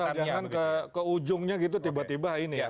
asal jangan ke ujungnya gitu tiba tiba ini ya